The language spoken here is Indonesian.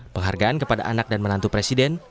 penghargaan kepada anak dan menantu presiden